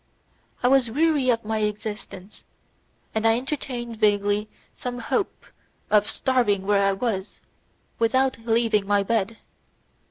I was weary of my existence, and I entertained vaguely some hope of starving where I was, without leaving my bed.